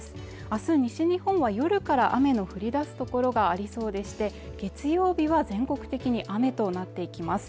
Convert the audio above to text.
明日西日本は夜から雨の降り出す所がありそうでして月曜日は全国的に雨となっていきます